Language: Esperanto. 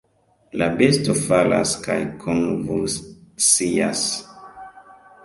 La besto falas kaj konvulsias.